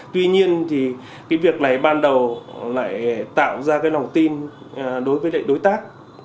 tuy nhiên thì cái việc này ban đầu lại tạo ra cái lòng tin đối với lại đối tác